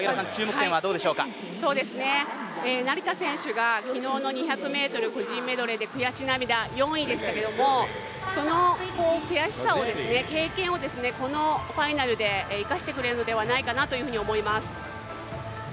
成田選手が昨日の２００ｍ個人メドレーで悔し涙、４位でしたけれどもその悔しさを、経験を、このファイナルで生かしてくれるのではないかなと思います。